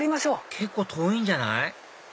結構遠いんじゃない？